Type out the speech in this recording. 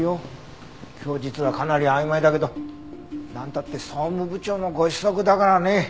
供述はかなり曖昧だけどなんたって総務部長のご子息だからね。